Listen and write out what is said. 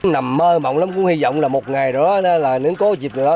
nằm mơ mộng lắm cũng hy vọng là một ngày đó nếu có dịp được đó